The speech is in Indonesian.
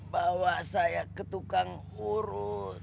bawa saya ke tukang urut